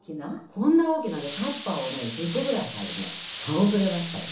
こんな大きなねタッパーをね１０個ぐらい入るねかごくれましたよ。